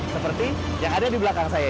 seperti yang ada di belakang saya